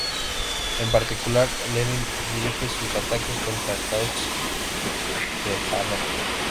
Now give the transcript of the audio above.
En particular, Lenin dirige sus ataques contra Kautsky y Plejánov.